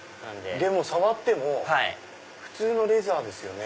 触っても普通のレザーですよね。